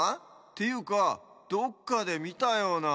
ていうかどっかでみたような。